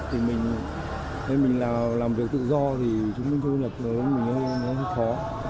thì mình làm việc tự do thì chứng minh thu nhập của mình nó khó